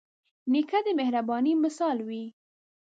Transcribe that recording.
نیکه د مهربانۍ مثال وي.